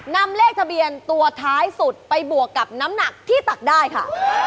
นำเลขทะเบียนตัวท้ายสุดไปบวกกับน้ำหนักที่ตักได้ค่ะ